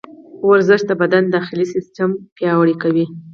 ورزش د بدن داخلي سیسټم پیاوړی کوي.